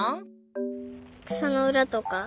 くさのうらとか？